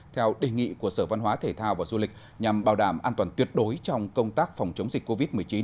theo đề nghị của sở văn hóa thể thao và du lịch nhằm bảo đảm an toàn tuyệt đối trong công tác phòng chống dịch covid một mươi chín